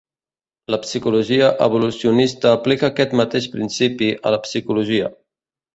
La psicologia evolucionista aplica aquest mateix principi a la psicologia.